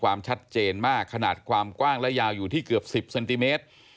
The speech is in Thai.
หายไปอย่างไร้ร่องรอยหลายตัว